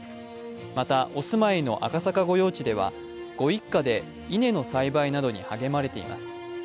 また、お住まいの赤坂御用地ではご一家で稲の栽培などに励まれています。